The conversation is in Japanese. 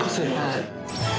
はい。